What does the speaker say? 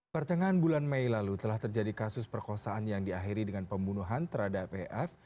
pertengahan bulan mei lalu telah terjadi kasus perkosaan yang diakhiri dengan pembunuhan terhadap ef